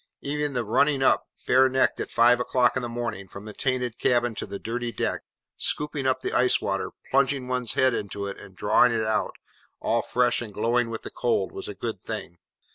Even the running up, bare necked, at five o'clock in the morning, from the tainted cabin to the dirty deck; scooping up the icy water, plunging one's head into it, and drawing it out, all fresh and glowing with the cold; was a good thing.